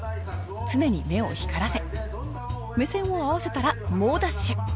常に目を光らせ目線を合わせたら猛ダッシュ